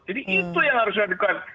jadi itu yang harus diadukan